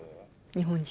日本人。